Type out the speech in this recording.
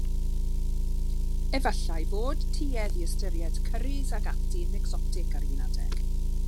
Efallai fod tuedd i ystyried cyrris ac ati'n ecsotig ar un adeg?